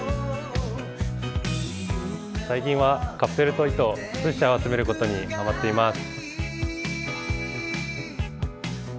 最近はカプセルトイと靴下を集めることにハマっています。